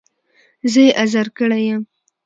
زه يې ازار کړی يم.